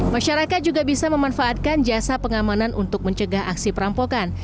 masyarakat juga bisa memanfaatkan jasa pengamanan untuk mencegah aksi perampokan